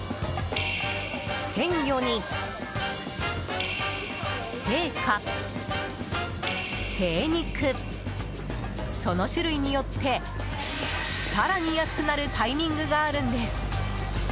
鮮魚に、青果、精肉その種類によって更に安くなるタイミングがあるんです。